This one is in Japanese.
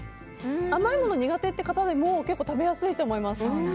甘いのが苦手って方でも結構食べやすいと思います。